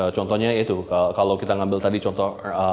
contohnya itu kalau kita ngambil tadi contoh